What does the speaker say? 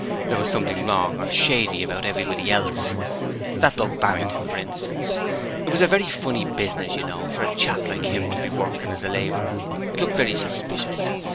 There was something wrong or shady about everybody else. That bloke Barrington, for instance it was a very funny business, you know, for a chap like 'im to be workin' as a labourer, it looked very suspicious.